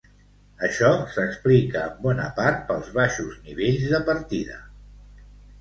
Això s'explica en bona part pels baixos nivells de partida.